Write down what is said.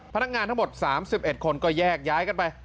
พนักงานทั้งหมด๓๑คนก็แยกย้ายกันไป